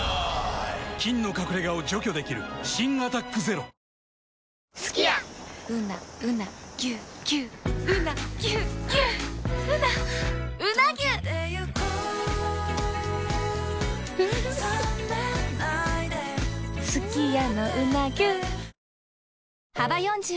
菌の隠れ家を除去できる新「アタックＺＥＲＯ」幅４０